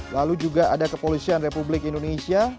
lalu juga ada kepolisian republik indonesia